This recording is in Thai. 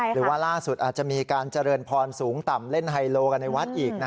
หรือว่าล่าสุดอาจจะมีการเจริญพรสูงต่ำเล่นไฮโลกันในวัดอีก